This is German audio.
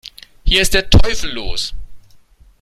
Hier ist der Teufel los!